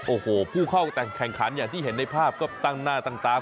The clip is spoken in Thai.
โอ้โหผู้เข้าแต่งแข่งขันอย่างที่เห็นในภาพก็ตั้งหน้าตั้งตา